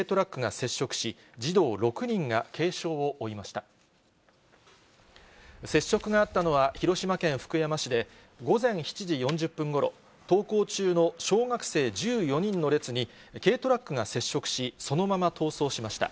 接触があったのは、広島県福山市で、午前７時４０分ごろ、登校中の小学生１４人の列に軽トラックが接触し、そのまま逃走しました。